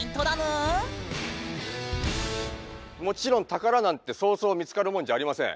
もちろん宝なんてそうそう見つかるもんじゃありません。